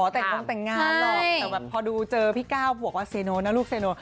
แต่พอดูเจอพี่ก้าวบอกว่าซีโนนะลูกซีโน